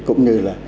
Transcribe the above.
cũng như là